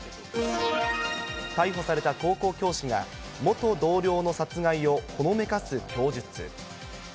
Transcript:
逮捕された高校教師が、元同僚の殺害をほのめかす供述。